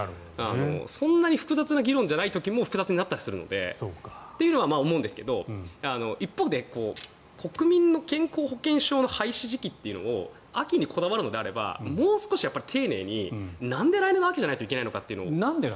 そんなに複雑な議論じゃない時も複雑になったりするのでとは思うんですが一方で、国民の健康保険証の廃止時期を秋にこだわるのあればもう少し丁寧になんで来年の秋じゃないといけないのかというのを。